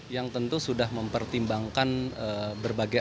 yang tentu sudah mempertimbangkan berbagai hal